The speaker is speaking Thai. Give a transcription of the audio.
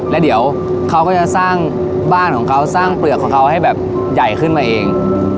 แล้วเดี๋ยวเขาก็จะสร้างบ้านของเขาสร้างเปลือกของเขาให้แบบใหญ่ขึ้นมาเอง